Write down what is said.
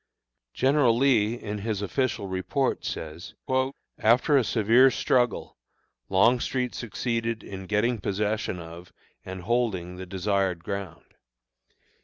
General Lee, in his official report, says: "After a severe struggle, Longstreet succeeded in getting possession of and holding the desired ground.